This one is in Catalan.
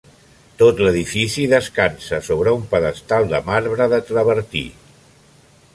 Tot l'edifici descansa sobre un pedestal de marbre de travertí.